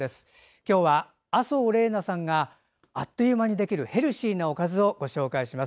今日は麻生怜菜さんがあっという間にできるヘルシーなおかずをご紹介します。